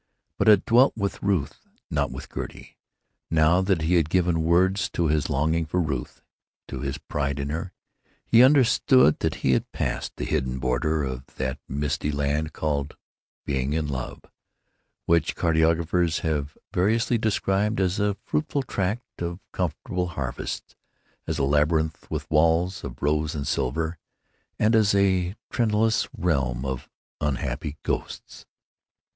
But it dwelt with Ruth, not with Gertie. Now that he had given words to his longing for Ruth, to his pride in her, he understood that he had passed the hidden border of that misty land called "being in love," which cartographers have variously described as a fruitful tract of comfortable harvests, as a labyrinth with walls of rose and silver, and as a tenebrous realm of unhappy ghosts.